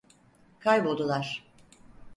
Kayboldular.